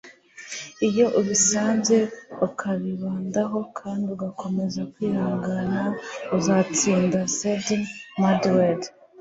iyo ubisanze ukabibandaho kandi ugakomeza kwihangana uzatsinda. - sydney madwed